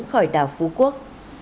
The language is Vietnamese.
khỏi đảo phú quốc